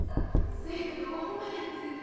そやけどほんまなんです。